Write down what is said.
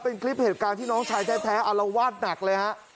เป็นคลิปเหตุการณ์ที่น้องชายแท้อารวาสหนักเลยฮะ